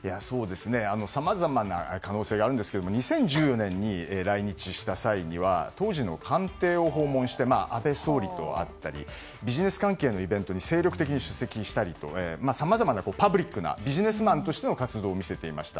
さまざまな可能性がありますが２０１４年に来日した際には当時の官邸を訪問して安倍総理と会ったりビジネス関係のイベントに精力的に出席したりさまざまなパブリックなビジネスマンとしての活動を見せていました。